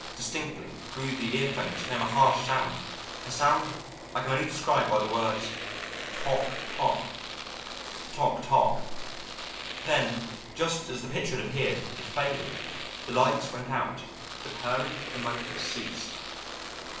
Distinctly through the ear phones came a harsh sound, a sound I can only describe by the words toc toc, toc toc. Then, just as the picture had appeared, it faded, the lights went out, the purring of the motors ceased.